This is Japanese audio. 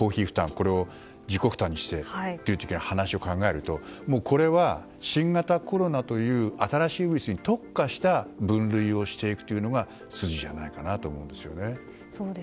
これを自己負担にしてという話を考えるとこれは新型コロナという新しいウイルスに特化した分類をしていくのが筋じゃないかと思うんですね。